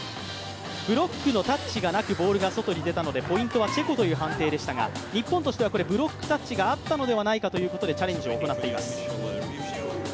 ブロックのタッチがなくボールが外に出たのでポイントはチェコという判定でしたが、日本としてはブロックタッチがあったのではないかということでチャレンジを行っています。